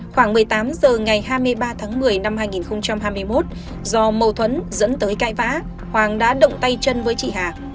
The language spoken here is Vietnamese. khoảng một mươi tám h ngày hai mươi ba tháng một mươi năm hai nghìn hai mươi một do mâu thuẫn dẫn tới cãi vã hoàng đã động tay chân với chị hà